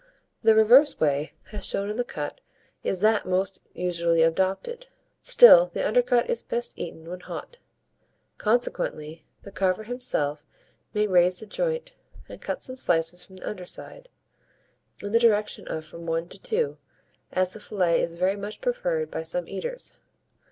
The reverse way, as shown in the cut, is that most usually adopted. Still the undercut is best eaten when hot; consequently, the carver himself may raise the joint, and cut some slices from the under side, in the direction of from 1 to 2, as the fillet is very much preferred by some eaters.